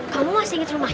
kamu masih inget rumah